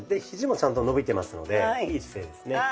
ひじもちゃんと伸びてますのでいい姿勢ですね。